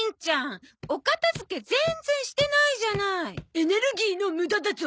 エネルギーの無駄だゾ。